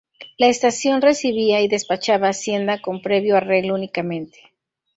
La Estación recibía y despachaba hacienda con previo arreglo únicamente.